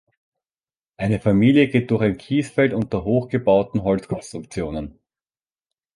Eine Familie geht durch ein Kiesfeld unter hoch gebauten Holzkonstruktionen.